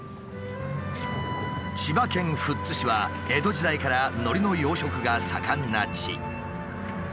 千葉県富津市は江戸時代からのりの養殖が盛んな地。